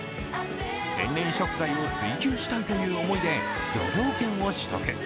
天然食材を追求したいという思いで漁業権を取得。